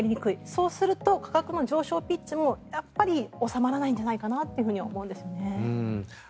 そうすると、価格の上昇ピッチもやっぱり収まらないんじゃないかなと思うんですね。